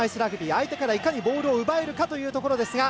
相手からいかにボールを奪えるかというところですが。